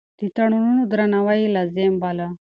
د تړونونو درناوی يې لازم باله.